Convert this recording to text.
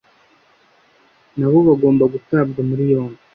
nabo bagomba gutabwa muri yombi